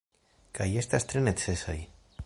Kaj estas tre necesaj.